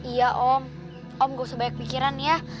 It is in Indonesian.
iya om om gak usah banyak pikiran ya